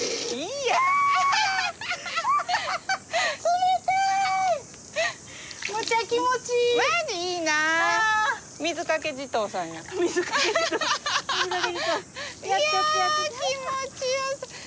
いや気持ちよさそう。